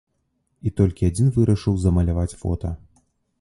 І толькі адзін вырашыў замаляваць фота.